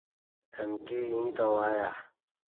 امکی ییں تووں آیہ